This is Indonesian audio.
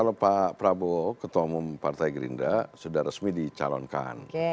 kalau pak prabowo ketua umum partai gerindra sudah resmi dicalonkan